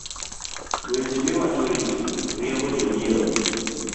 Weche miwacho richo riembo jong’iewo